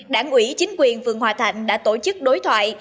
đảng ủy chính quyền phường hòa thạnh đã tổ chức đối thoại